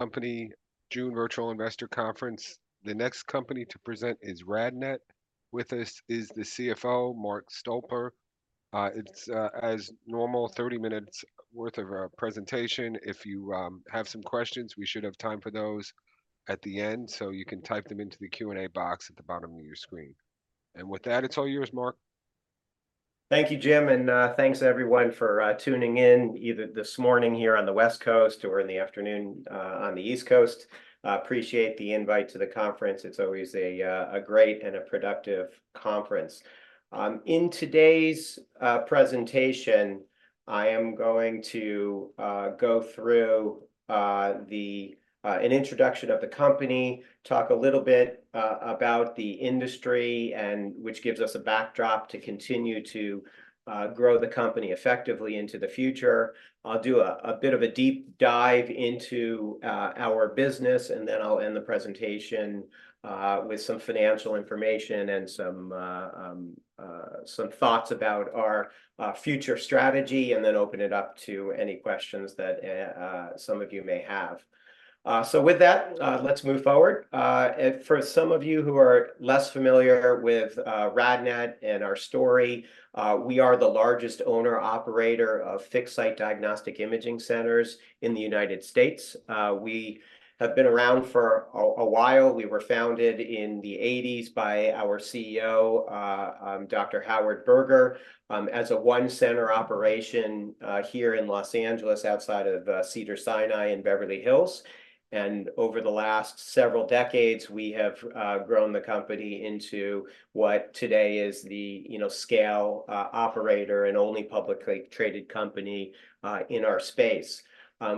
Company, June Virtual Investor Conference. The next company to present is RadNet. With us is the CFO, Mark Stolper. It's, as normal, 30 minutes' worth of a presentation. If you have some questions, we should have time for those at the end, so you can type them into the Q&A box at the bottom of your screen. And with that, it's all yours, Mark. Thank you, Jim. Thanks, everyone, for tuning in either this morning here on the West Coast or in the afternoon on the East Coast. I appreciate the invite to the conference. It's always a great and productive conference. In today's presentation, I am going to go through an introduction of the company, talk a little bit about the industry, which gives us a backdrop to continue to grow the company effectively into the future. I'll do a bit of a deep dive into our business, and then I'll end the presentation with some financial information and some thoughts about our future strategy, and then open it up to any questions that some of you may have. So with that, let's move forward. For some of you who are less familiar with RadNet and our story, we are the largest owner-operator of fixed-site diagnostic imaging centers in the United States. We have been around for a while. We were founded in the 1980s by our CEO, Dr. Howard Berger, as a one-center operation here in Los Angeles, outside of Cedars-Sinai and Beverly Hills. Over the last several decades, we have grown the company into what today is the scale operator and only publicly traded company in our space.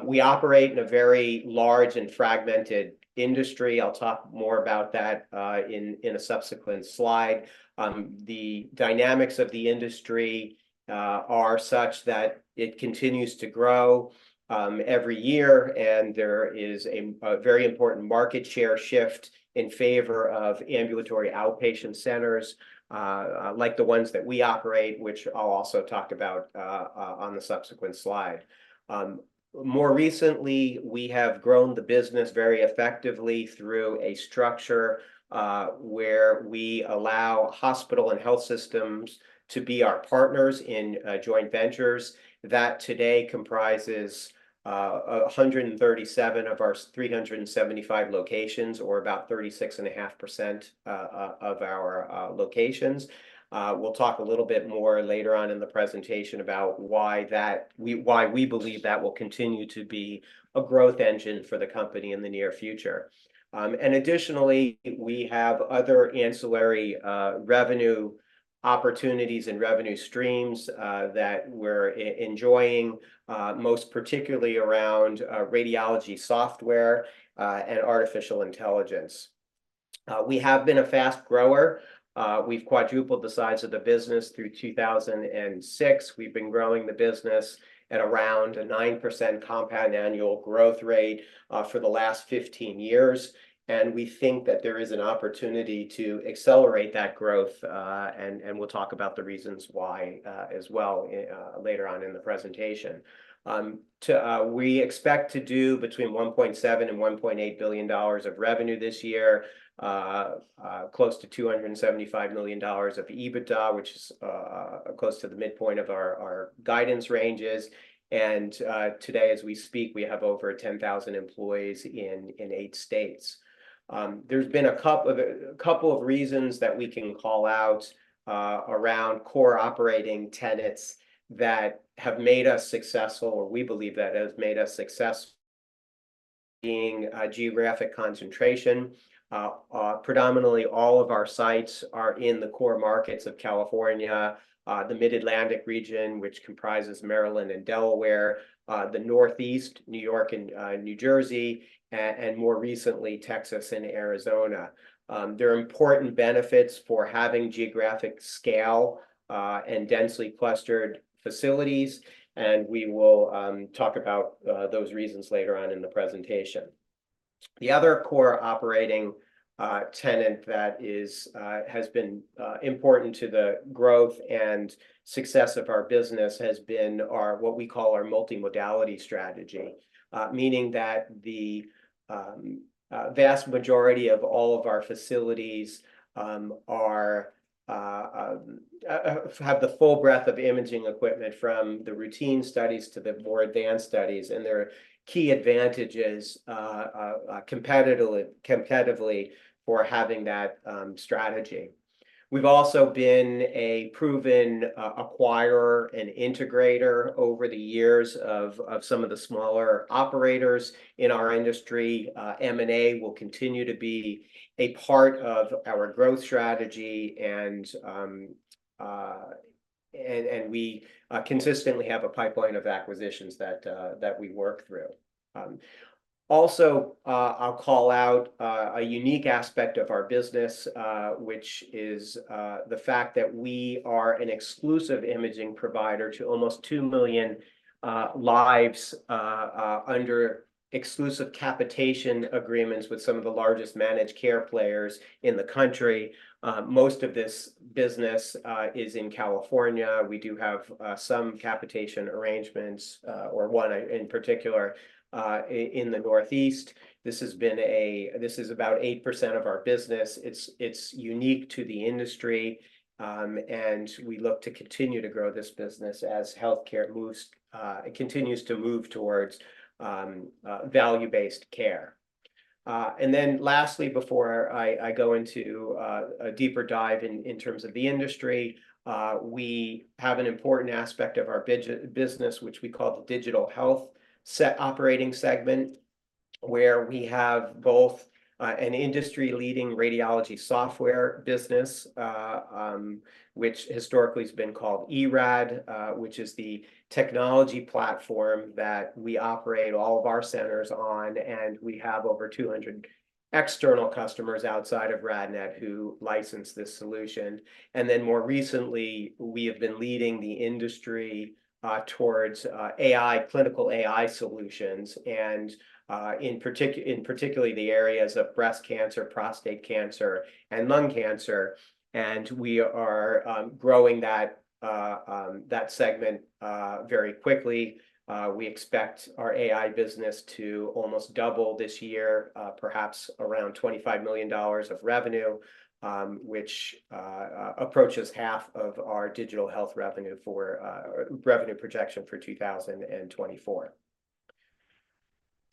We operate in a very large and fragmented industry. I'll talk more about that in a subsequent slide. The dynamics of the industry are such that it continues to grow every year, and there is a very important market share shift in favor of ambulatory outpatient centers like the ones that we operate, which I'll also talk about on the subsequent slide. More recently, we have grown the business very effectively through a structure where we allow hospital and health systems to be our partners in joint ventures that today comprises 137 of our 375 locations, or about 36.5% of our locations. We'll talk a little bit more later on in the presentation about why we believe that will continue to be a growth engine for the company in the near future. And additionally, we have other ancillary revenue opportunities and revenue streams that we're enjoying, most particularly around radiology software and artificial intelligence. We have been a fast grower. We've quadrupled the size of the business through 2006. We've been growing the business at around a 9% compound annual growth rate for the last 15 years. We think that there is an opportunity to accelerate that growth, and we'll talk about the reasons why as well later on in the presentation. We expect to do between $1.7 billion and $1.8 billion of revenue this year, close to $275 million of EBITDA, which is close to the midpoint of our guidance ranges. Today, as we speak, we have over 10,000 employees in eight states. There's been a couple of reasons that we can call out around core operating tenets that have made us successful, or we believe that has made us successful, being geographic concentration. Predominantly, all of our sites are in the core markets of California, the Mid-Atlantic region, which comprises Maryland and Delaware, the Northeast, New York and New Jersey, and more recently, Texas and Arizona. There are important benefits for having geographic scale and densely clustered facilities, and we will talk about those reasons later on in the presentation. The other core operating tenet that has been important to the growth and success of our business has been what we call our multimodality strategy, meaning that the vast majority of all of our facilities have the full breadth of imaging equipment from the routine studies to the more advanced studies. And their key advantage is competitively for having that strategy. We've also been a proven acquirer and integrator over the years of some of the smaller operators in our industry. M&A will continue to be a part of our growth strategy, and we consistently have a pipeline of acquisitions that we work through. Also, I'll call out a unique aspect of our business, which is the fact that we are an exclusive imaging provider to almost 2 million lives under exclusive capitation agreements with some of the largest managed care players in the country. Most of this business is in California. We do have some capitation arrangements, or one in particular, in the Northeast. This is about 8% of our business. It's unique to the industry, and we look to continue to grow this business as healthcare continues to move towards value-based care. And then lastly, before I go into a deeper dive in terms of the industry, we have an important aspect of our business, which we call the digital health operating segment, where we have both an industry-leading radiology software business, which historically has been called eRAD, which is the technology platform that we operate all of our centers on, and we have over 200 external customers outside of RadNet who license this solution. More recently, we have been leading the industry towards clinical AI solutions, and in particular, the areas of breast cancer, prostate cancer, and lung cancer. And we are growing that segment very quickly. We expect our AI business to almost double this year, perhaps around $25 million of revenue, which approaches half of our digital health revenue projection for 2024.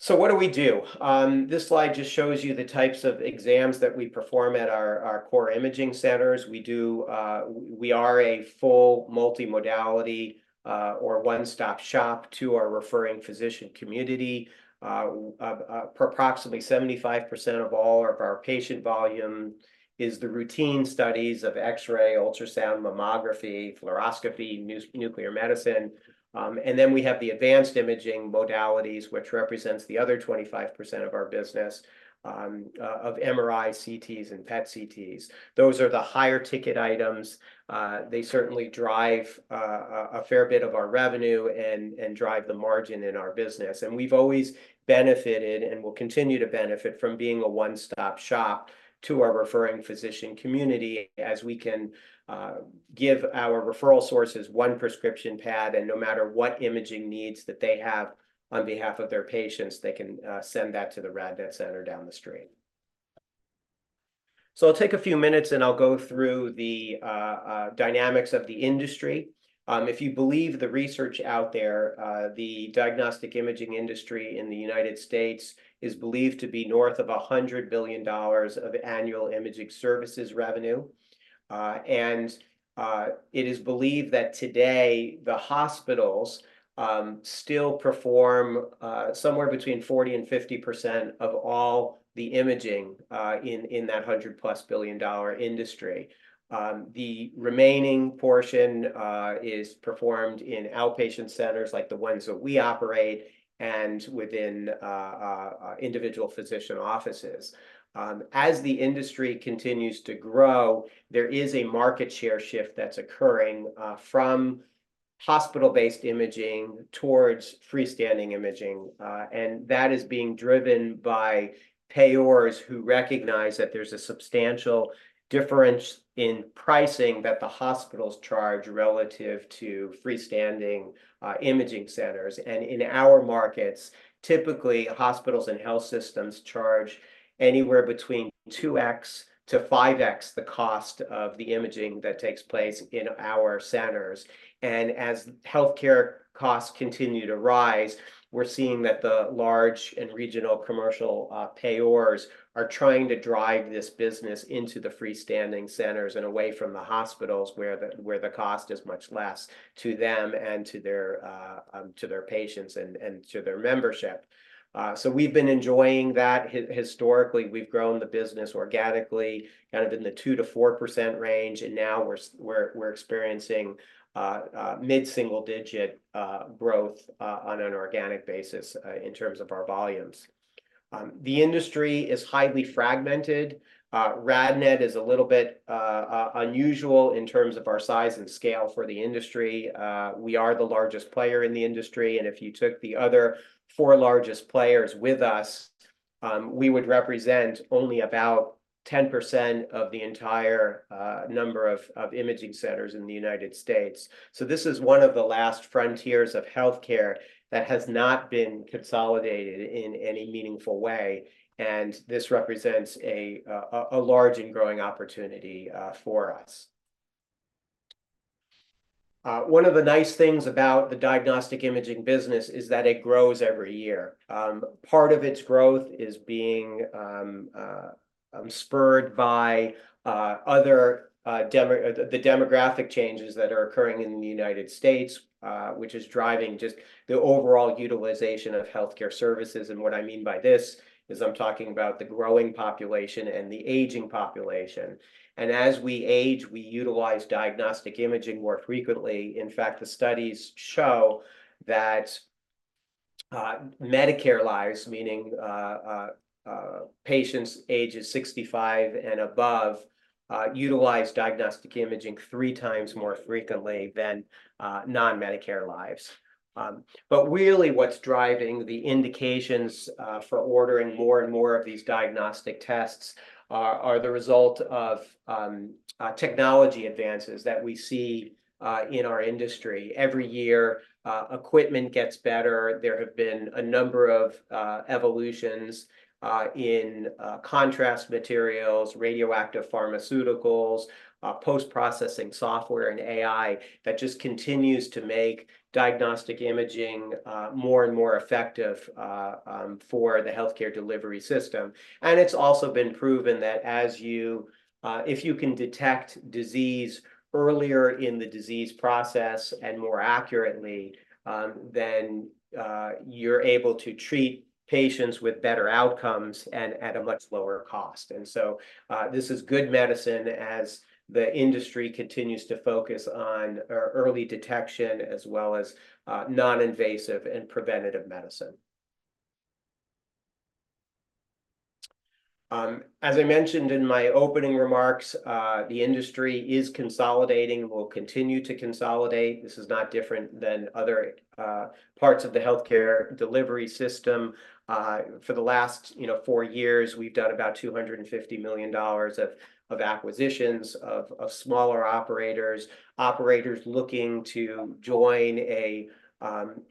What do we do? This slide just shows you the types of exams that we perform at our core imaging centers. We are a full multimodality or one-stop shop to our referring physician community. Approximately 75% of all of our patient volume is the routine studies of X-ray, ultrasound, mammography, fluoroscopy, nuclear medicine. And then we have the advanced imaging modalities, which represents the other 25% of our business of MRI, CTs, and PET CTs. Those are the higher ticket items. They certainly drive a fair bit of our revenue and drive the margin in our business. And we've always benefited and will continue to benefit from being a one-stop shop to our referring physician community as we can give our referral sources one prescription pad. And no matter what imaging needs that they have on behalf of their patients, they can send that to the RadNet center down the street. So I'll take a few minutes, and I'll go through the dynamics of the industry. If you believe the research out there, the diagnostic imaging industry in the United States is believed to be north of $100 billion of annual imaging services revenue. It is believed that today, the hospitals still perform somewhere between 40%-50% of all the imaging in that $100+ billion industry. The remaining portion is performed in outpatient centers like the ones that we operate and within individual physician offices. As the industry continues to grow, there is a market share shift that's occurring from hospital-based imaging towards freestanding imaging. That is being driven by payors who recognize that there's a substantial difference in pricing that the hospitals charge relative to freestanding imaging centers. In our markets, typically, hospitals and health systems charge anywhere between 2x-5x the cost of the imaging that takes place in our centers. As healthcare costs continue to rise, we're seeing that the large and regional commercial payors are trying to drive this business into the freestanding centers and away from the hospitals where the cost is much less to them and to their patients and to their membership. We've been enjoying that. Historically, we've grown the business organically, kind of in the 2%-4% range. Now we're experiencing mid-single-digit growth on an organic basis in terms of our volumes. The industry is highly fragmented. RadNet is a little bit unusual in terms of our size and scale for the industry. We are the largest player in the industry. If you took the other four largest players with us, we would represent only about 10% of the entire number of imaging centers in the United States. This is one of the last frontiers of healthcare that has not been consolidated in any meaningful way. This represents a large and growing opportunity for us. One of the nice things about the diagnostic imaging business is that it grows every year. Part of its growth is being spurred by the demographic changes that are occurring in the United States, which is driving just the overall utilization of healthcare services. What I mean by this is I'm talking about the growing population and the aging population. As we age, we utilize diagnostic imaging more frequently. In fact, the studies show that Medicare lives, meaning patients ages 65 and above, utilize diagnostic imaging three times more frequently than non-Medicare lives. But really, what's driving the indications for ordering more and more of these diagnostic tests are the result of technology advances that we see in our industry. Every year, equipment gets better. There have been a number of evolutions in contrast materials, radioactive pharmaceuticals, post-processing software, and AI that just continues to make diagnostic imaging more and more effective for the healthcare delivery system. And it's also been proven that if you can detect disease earlier in the disease process and more accurately, then you're able to treat patients with better outcomes and at a much lower cost. And so this is good medicine as the industry continues to focus on early detection as well as non-invasive and preventative medicine. As I mentioned in my opening remarks, the industry is consolidating and will continue to consolidate. This is not different than other parts of the healthcare delivery system. For the last four years, we've done about $250 million of acquisitions of smaller operators, operators looking to join a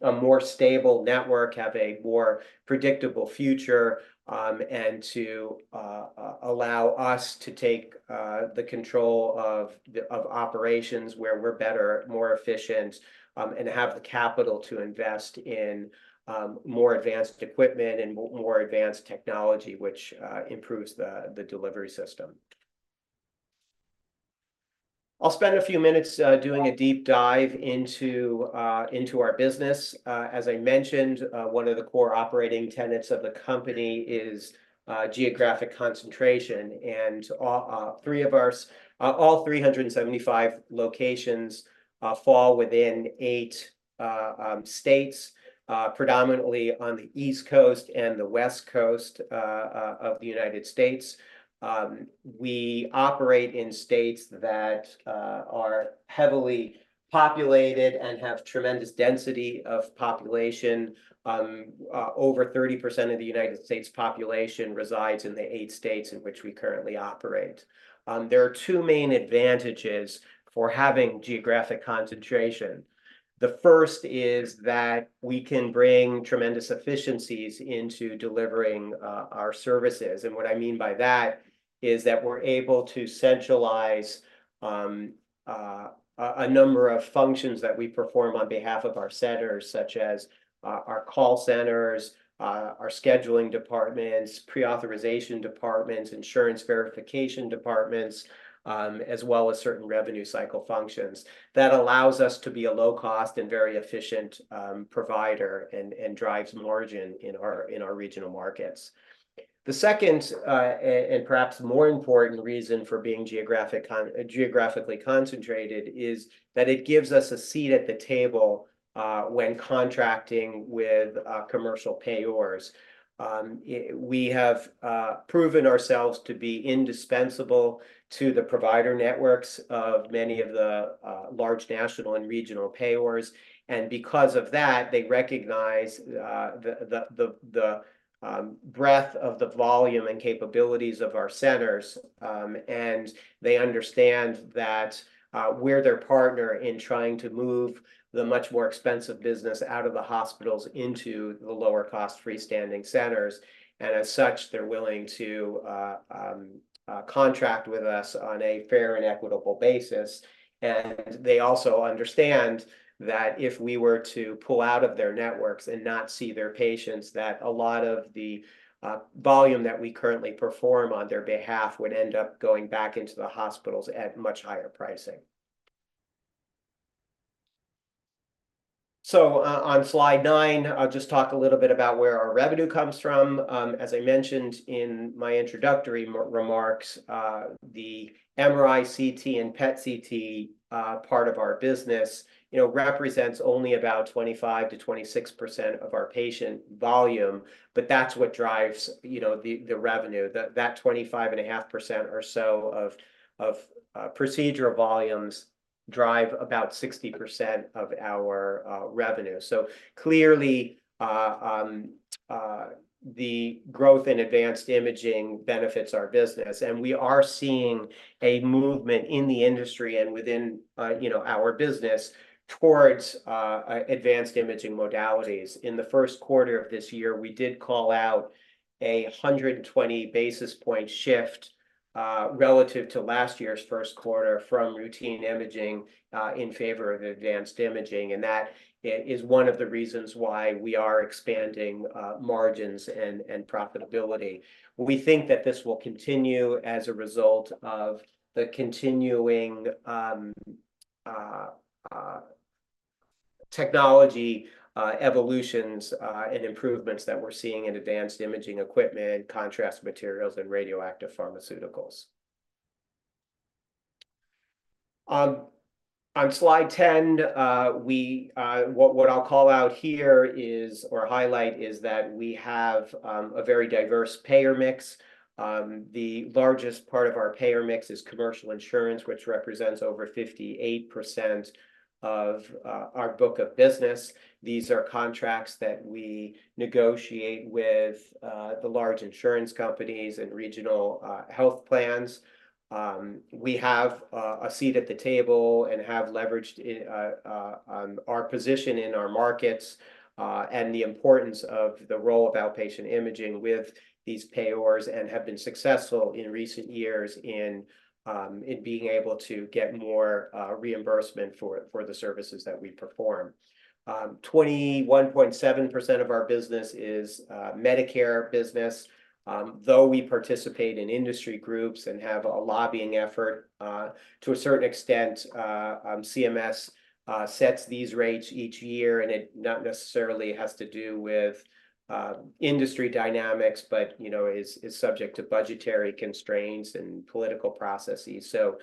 more stable network, have a more predictable future, and to allow us to take the control of operations where we're better, more efficient, and have the capital to invest in more advanced equipment and more advanced technology, which improves the delivery system. I'll spend a few minutes doing a deep dive into our business. As I mentioned, one of the core operating tenets of the company is geographic concentration. All 375 locations fall within eight states, predominantly on the East Coast and the West Coast of the United States. We operate in states that are heavily populated and have tremendous density of population. Over 30% of the United States population resides in the eight states in which we currently operate. There are two main advantages for having geographic concentration. The first is that we can bring tremendous efficiencies into delivering our services. What I mean by that is that we're able to centralize a number of functions that we perform on behalf of our centers, such as our call centers, our scheduling departments, pre-authorization departments, insurance verification departments, as well as certain revenue cycle functions. That allows us to be a low-cost and very efficient provider and drives margin in our regional markets. The second and perhaps more important reason for being geographically concentrated is that it gives us a seat at the table when contracting with commercial payors. We have proven ourselves to be indispensable to the provider networks of many of the large national and regional payors. Because of that, they recognize the breadth of the volume and capabilities of our centers. They understand that we're their partner in trying to move the much more expensive business out of the hospitals into the lower-cost freestanding centers. As such, they're willing to contract with us on a fair and equitable basis. They also understand that if we were to pull out of their networks and not see their patients, that a lot of the volume that we currently perform on their behalf would end up going back into the hospitals at much higher pricing. So on slide 9, I'll just talk a little bit about where our revenue comes from. As I mentioned in my introductory remarks, the MRI, CT, and PET CT part of our business represents only about 25%-26% of our patient volume. That's what drives the revenue. That 25.5% or so of procedural volumes drive about 60% of our revenue. Clearly, the growth in advanced imaging benefits our business. We are seeing a movement in the industry and within our business towards advanced imaging modalities. In the first quarter of this year, we did call out a 120 basis point shift relative to last year's first quarter from routine imaging in favor of advanced imaging. That is one of the reasons why we are expanding margins and profitability. We think that this will continue as a result of the continuing technology evolutions and improvements that we're seeing in advanced imaging equipment, contrast materials, and radioactive pharmaceuticals. On slide 10, what I'll call out here or highlight is that we have a very diverse payer mix. The largest part of our payer mix is commercial insurance, which represents over 58% of our book of business. These are contracts that we negotiate with the large insurance companies and regional health plans. We have a seat at the table and have leveraged our position in our markets and the importance of the role of outpatient imaging with these payors and have been successful in recent years in being able to get more reimbursement for the services that we perform. 21.7% of our business is Medicare business. Though we participate in industry groups and have a lobbying effort, to a certain extent, CMS sets these rates each year. And it not necessarily has to do with industry dynamics, but is subject to budgetary constraints and political processes. So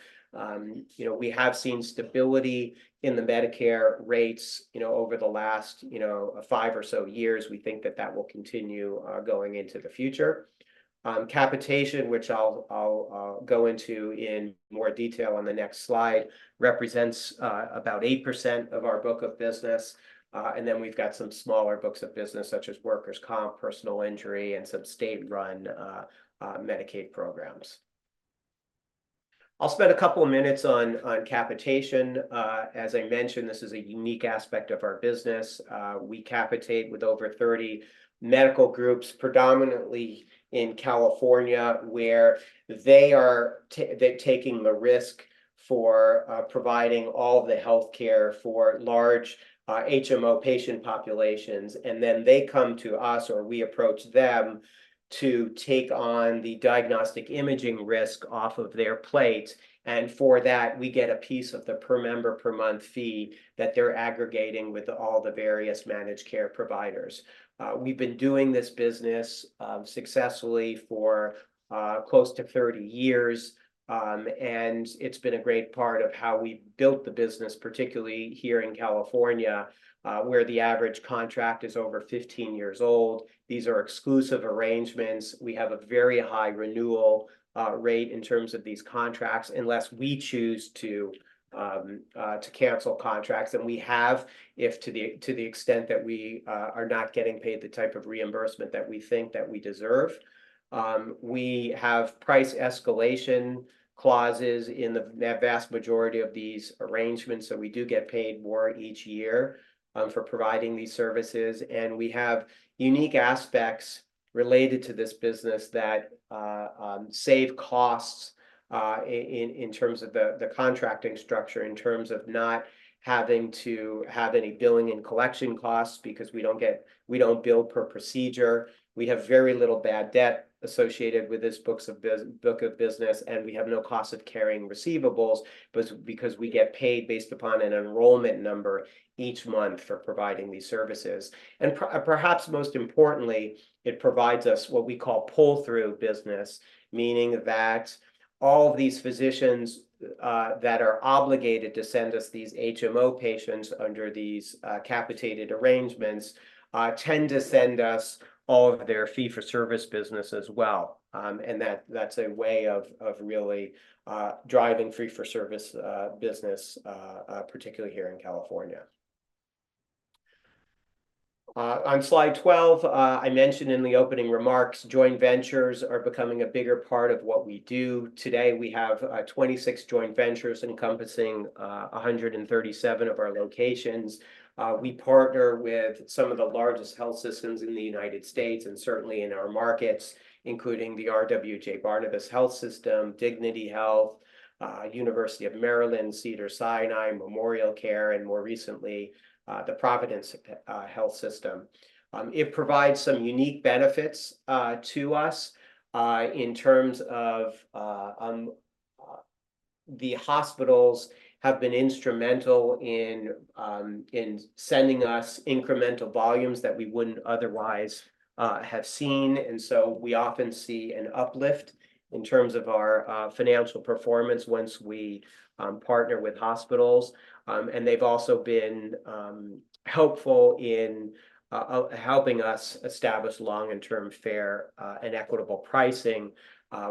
we have seen stability in the Medicare rates over the last five or so years. We think that that will continue going into the future. Capitation, which I'll go into in more detail on the next slide, represents about 8% of our book of business. And then we've got some smaller books of business such as workers' comp, personal injury, and some state-run Medicaid programs. I'll spend a couple of minutes on capitation. As I mentioned, this is a unique aspect of our business. We capitate with over 30 medical groups, predominantly in California, where they are taking the risk for providing all the healthcare for large HMO patient populations. And then they come to us, or we approach them, to take on the diagnostic imaging risk off of their plate. For that, we get a piece of the per member per month fee that they're aggregating with all the various managed care providers. We've been doing this business successfully for close to 30 years. It's been a great part of how we built the business, particularly here in California, where the average contract is over 15 years old. These are exclusive arrangements. We have a very high renewal rate in terms of these contracts unless we choose to cancel contracts. And we have, to the extent that we are not getting paid the type of reimbursement that we think that we deserve, we have price escalation clauses in the vast majority of these arrangements. So we do get paid more each year for providing these services. We have unique aspects related to this business that save costs in terms of the contracting structure, in terms of not having to have any billing and collection costs because we don't bill per procedure. We have very little bad debt associated with this book of business, and we have no cost of carrying receivables because we get paid based upon an enrollment number each month for providing these services. And perhaps most importantly, it provides us what we call pull-through business, meaning that all of these physicians that are obligated to send us these HMO patients under these capitated arrangements tend to send us all of their fee-for-service business as well. And that's a way of really driving fee-for-service business, particularly here in California. On slide 12, I mentioned in the opening remarks, joint ventures are becoming a bigger part of what we do. Today, we have 26 joint ventures encompassing 137 of our locations. We partner with some of the largest health systems in the United States and certainly in our markets, including the RWJBarnabas Health, Dignity Health, University of Maryland, Cedars-Sinai, MemorialCare, and more recently, the Providence Health System. It provides some unique benefits to us in terms of the hospitals have been instrumental in sending us incremental volumes that we wouldn't otherwise have seen. So we often see an uplift in terms of our financial performance once we partner with hospitals. They've also been helpful in helping us establish long-term fair and equitable pricing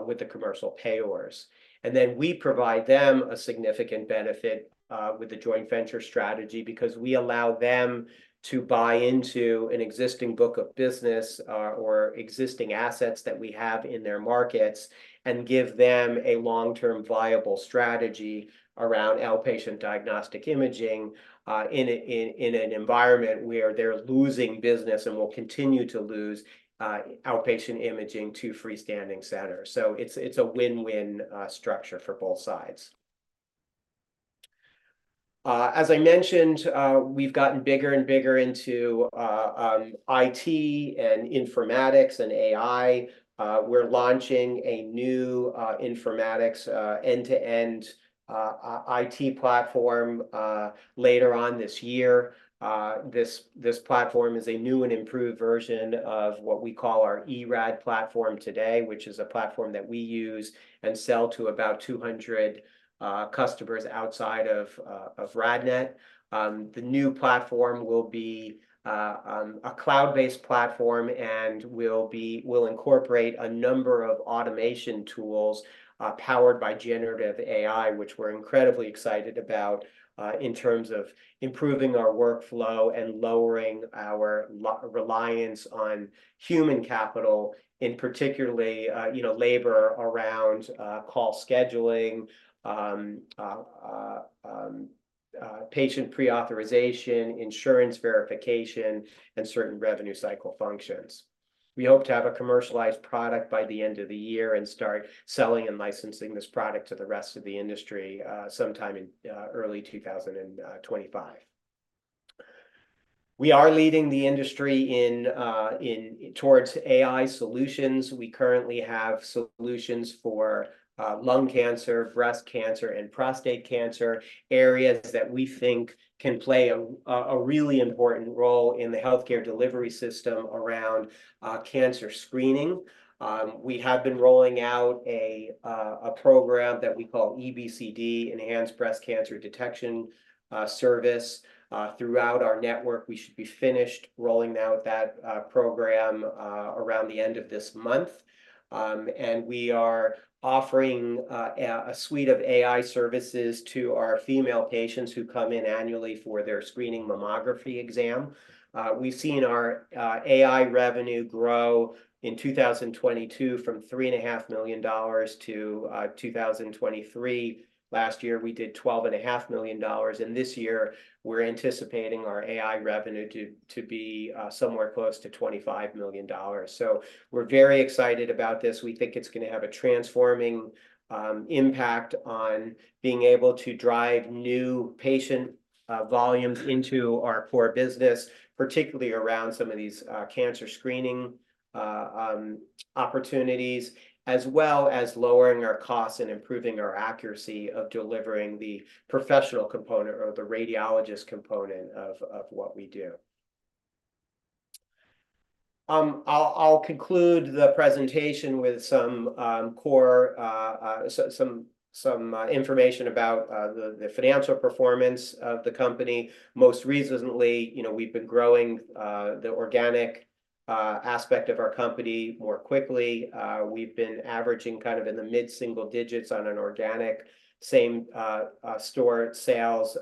with the commercial payors. And then we provide them a significant benefit with the joint venture strategy because we allow them to buy into an existing book of business or existing assets that we have in their markets and give them a long-term viable strategy around outpatient diagnostic imaging in an environment where they're losing business and will continue to lose outpatient imaging to freestanding centers. So it's a win-win structure for both sides. As I mentioned, we've gotten bigger and bigger into IT and informatics and AI. We're launching a new informatics end-to-end IT platform later on this year. This platform is a new and improved version of what we call our eRAD platform today, which is a platform that we use and sell to about 200 customers outside of RadNet. The new platform will be a cloud-based platform and will incorporate a number of automation tools powered by generative AI, which we're incredibly excited about in terms of improving our workflow and lowering our reliance on human capital, in particularly labor around call scheduling, patient pre-authorization, insurance verification, and certain revenue cycle functions. We hope to have a commercialized product by the end of the year and start selling and licensing this product to the rest of the industry sometime in early 2025. We are leading the industry towards AI solutions. We currently have solutions for lung cancer, breast cancer, and prostate cancer, areas that we think can play a really important role in the healthcare delivery system around cancer screening. We have been rolling out a program that we call EBCD, Enhanced Breast Cancer Detection Service, throughout our network. We should be finished rolling out that program around the end of this month. We are offering a suite of AI services to our female patients who come in annually for their screening mammography exam. We've seen our AI revenue grow in 2022 from $3.5 million to 2023. Last year, we did $12.5 million. This year, we're anticipating our AI revenue to be somewhere close to $25 million. We're very excited about this. We think it's going to have a transforming impact on being able to drive new patient volumes into our core business, particularly around some of these cancer screening opportunities, as well as lowering our costs and improving our accuracy of delivering the professional component or the radiologist component of what we do. I'll conclude the presentation with some core information about the financial performance of the company. Most recently, we've been growing the organic aspect of our company more quickly. We've been averaging kind of in the mid-single digits on an organic same store sales,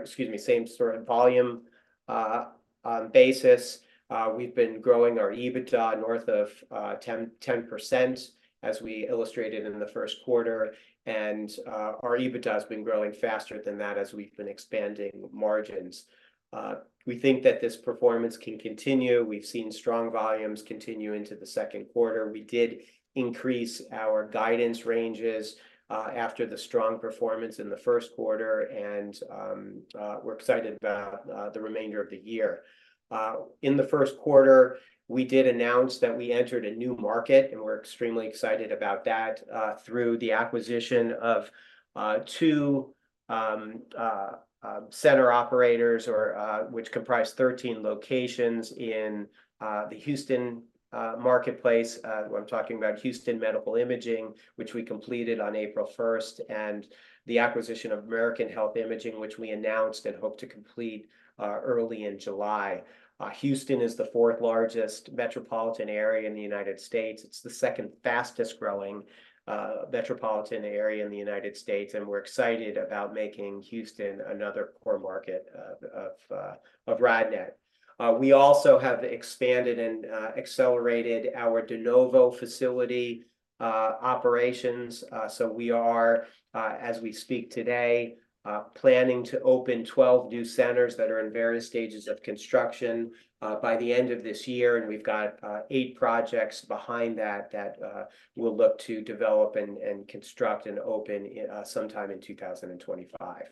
excuse me, same store volume basis. We've been growing our EBITDA north of 10% as we illustrated in the first quarter. Our EBITDA has been growing faster than that as we've been expanding margins. We think that this performance can continue. We've seen strong volumes continue into the second quarter. We did increase our guidance ranges after the strong performance in the first quarter. We're excited about the remainder of the year. In the first quarter, we did announce that we entered a new market, and we're extremely excited about that through the acquisition of 2 center operators, which comprised 13 locations in the Houston marketplace. I'm talking about Houston Medical Imaging, which we completed on April 1st, and the acquisition of American Health Imaging, which we announced and hope to complete early in July. Houston is the fourth largest metropolitan area in the United States. It's the second fastest growing metropolitan area in the United States. We're excited about making Houston another core market of RadNet. We also have expanded and accelerated our de novo facility operations. We are, as we speak today, planning to open 12 new centers that are in various stages of construction by the end of this year. We've got eight projects behind that that we'll look to develop and construct and open sometime in 2025.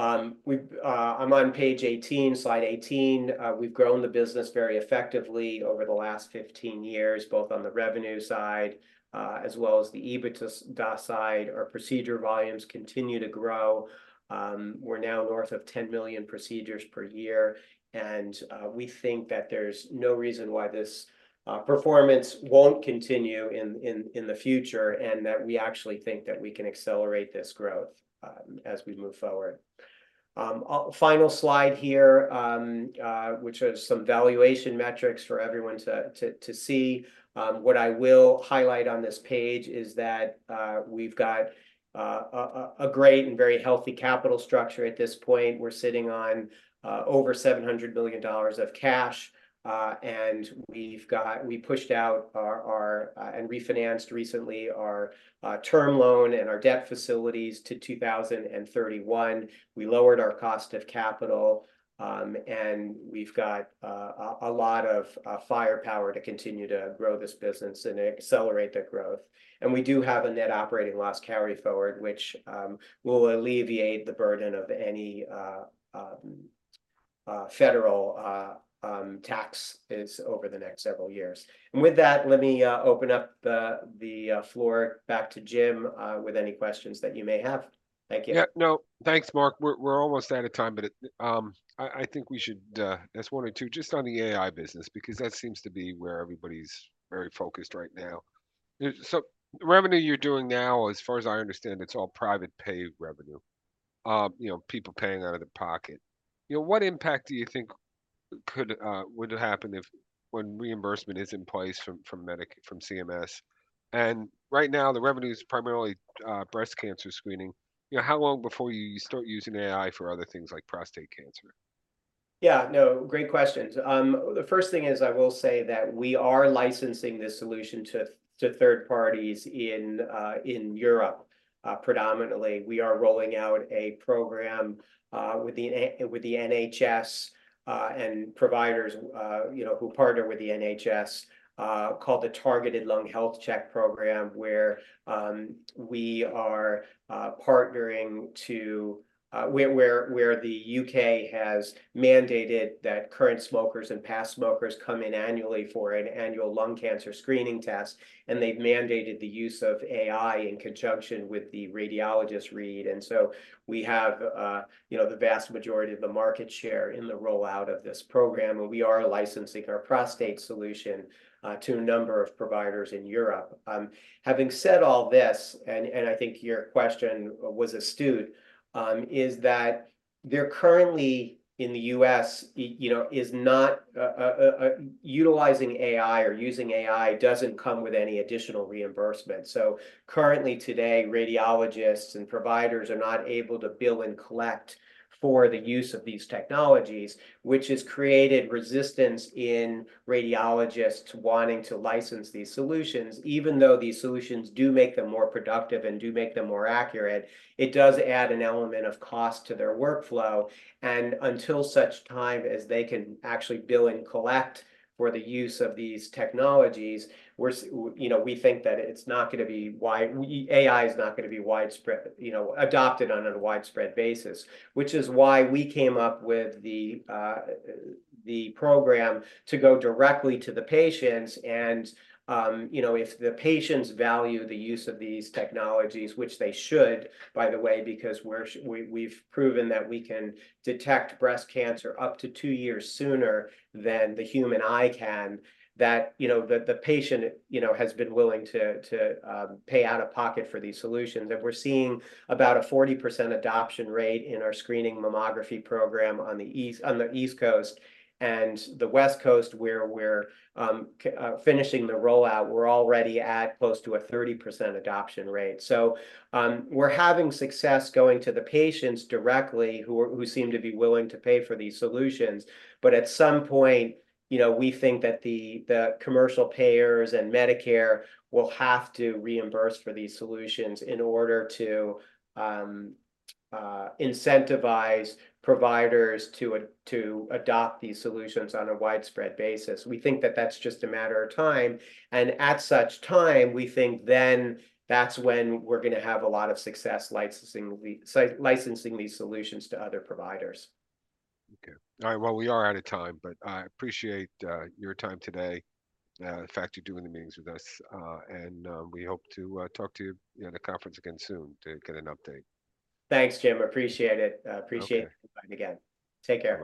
I'm on page 18, slide 18. We've grown the business very effectively over the last 15 years, both on the revenue side as well as the EBITDA side. Our procedure volumes continue to grow. We're now north of 10 million procedures per year. We think that there's no reason why this performance won't continue in the future and that we actually think that we can accelerate this growth as we move forward. Final slide here, which is some valuation metrics for everyone to see. What I will highlight on this page is that we've got a great and very healthy capital structure at this point. We're sitting on over $700 million of cash. We pushed out and refinanced recently our term loan and our debt facilities to 2031. We lowered our cost of capital. We've got a lot of firepower to continue to grow this business and accelerate the growth. We do have a net operating loss carry forward, which will alleviate the burden of any federal tax over the next several years. And with that, let me open up the floor back to Jim with any questions that you may have. Thank you. Yeah. No. Thanks, Mark. We're almost out of time, but I think we should ask one or two just on the AI business because that seems to be where everybody's very focused right now. So the revenue you're doing now, as far as I understand, it's all private pay revenue, people paying out of their pocket. What impact do you think would happen when reimbursement is in place from CMS? And right now, the revenue is primarily breast cancer screening. How long before you start using AI for other things like prostate cancer? Yeah. No. Great questions. The first thing is I will say that we are licensing this solution to third parties in Europe, predominantly. We are rolling out a program with the NHS and providers who partner with the NHS called the Targeted Lung Health Check Program, where we are partnering to where the UK has mandated that current smokers and past smokers come in annually for an annual lung cancer screening test. They've mandated the use of AI in conjunction with the radiologist read. So we have the vast majority of the market share in the rollout of this program. We are licensing our prostate solution to a number of providers in Europe. Having said all this, and I think your question was astute, is that they're currently in the US, is not utilizing AI or using AI doesn't come with any additional reimbursement. Currently today, radiologists and providers are not able to bill and collect for the use of these technologies, which has created resistance in radiologists wanting to license these solutions. Even though these solutions do make them more productive and do make them more accurate, it does add an element of cost to their workflow. Until such time as they can actually bill and collect for the use of these technologies, we think that it's not going to be AI is not going to be adopted on a widespread basis, which is why we came up with the program to go directly to the patients. If the patients value the use of these technologies, which they should, by the way, because we've proven that we can detect breast cancer up to two years sooner than the human eye can, that the patient has been willing to pay out of pocket for these solutions. We're seeing about a 40% adoption rate in our screening mammography program on the East Coast. And the West Coast, where we're finishing the rollout, we're already at close to a 30% adoption rate. So we're having success going to the patients directly who seem to be willing to pay for these solutions. But at some point, we think that the commercial payers and Medicare will have to reimburse for these terms in order to incentivize providers to adopt these solutions on a widespread basis. We think that that's just a matter of time. At such time, we think then that's when we're going to have a lot of success licensing these solutions to other providers. Okay. All right. Well, we are out of time, but I appreciate your time today, the fact you're doing the meetings with us. We hope to talk to you at a conference again soon to get an update. Thanks, Jim. Appreciate it. Appreciate you again. Take care.